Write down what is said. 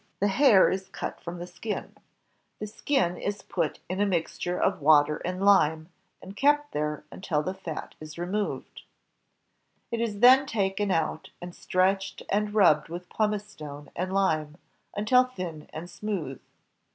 The hair is cut from the skin. The skin is put in a mixture of water and lime, and kept there until the fat is removed. 187 l88 INVENTIONS OF PRINTING AND COMMUNICATION It is then taken out, and stretched and rabbed with pumice stone and lime, until thin and smooth.